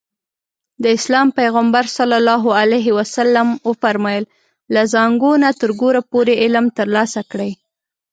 د اسلام پيغمبر ص وفرمايل له زانګو نه تر ګوره پورې علم ترلاسه کړئ.